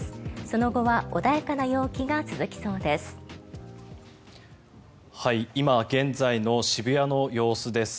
その後は穏やかな陽気が続きそうです。